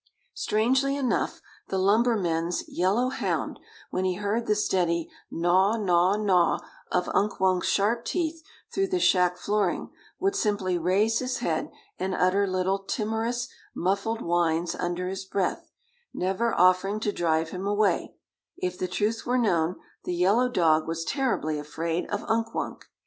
Strangely enough, the lumbermen's yellow hound, when he heard the steady "gnaw, gnaw, gnaw" of Unk Wunk's sharp teeth through the shack flooring, would simply raise his head and utter little timorous, muffled whines under his breath, never offering to drive him away; if the truth were known the yellow dog was terribly afraid of Unk Wunk.